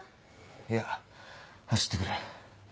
いや走ってくる。